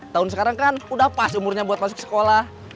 tahun sekarang kan udah pas umurnya buat masuk sekolah